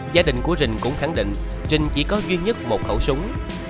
gia đình của trình cũng khẳng định trình chỉ có duy nhất một khẩu súng